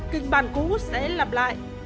kinh bản cũ sẽ lặp lại